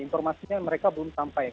informasinya mereka belum sampai